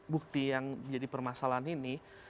bukti yang menjadi permasalahan ini